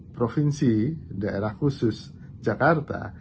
provinsi daerah khusus jakarta